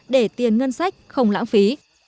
để tiền ngân sách không lãng phí